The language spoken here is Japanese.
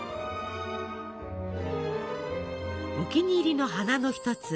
お気に入りの花の一つ